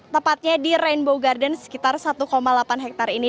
tepatnya di rainbow garden sekitar satu delapan hektare ini